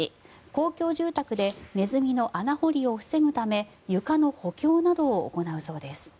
公共住宅でネズミの穴掘りを防ぐため床の補強などを行うそうです。